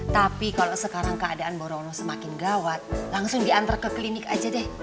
tapi kalau sekarang keadaan borono semakin gawat langsung diantar ke klinik aja deh